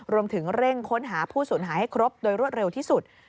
รวมถึงเร่งค้นหาผู้สูญหายให้ครบโดยรวดเร็วที่สุด